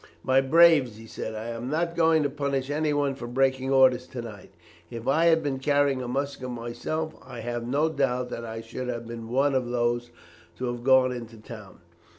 "My braves," he said, "I am not going to punish anyone for breaking orders to night. If I had been carrying a musket myself I have no doubt that I should have been one of those to have gone into the town.